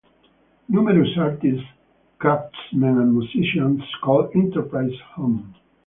Numerous artists, craftsmen and musicians call Enterprise home.